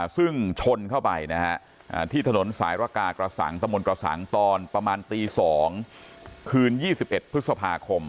ซึ่งชนเข้าไปที่ถนนสายรกากระสังตะมนต์กระสังตอนประมาณตี๒คืน๒๑พฤษภาคม